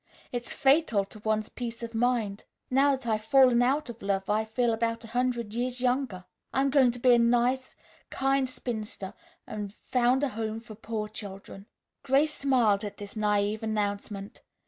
It's fatal to one's peace of mind. Now that I've fallen out of love, I feel about a hundred years younger. I'm going to be a nice, kind, spinster and found a home for poor children." Grace smiled at this naïve announcement.